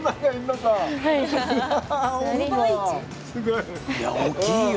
いや大きいよ